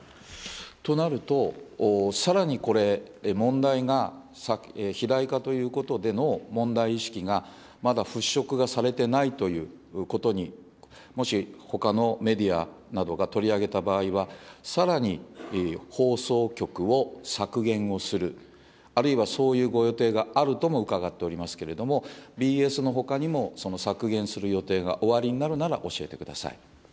となると、さらにこれ、問題が、肥大化ということでの問題意識が、まだ払拭がされてないということに、もしほかのメディアなどが取り上げた場合は、さらに放送局を削減をする、あるいはそういうご予定があるとも伺っておりますけれども、ＢＳのほかにも、削減する予定がおありになるなら教えてください。